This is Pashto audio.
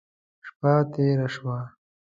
شپه تېره شوه.